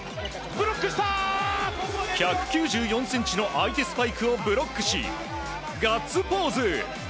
１９４ｃｍの相手スパイクをブロックしガッツポーズ！